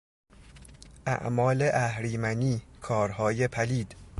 اعمال اهریمنی، کارهای پلید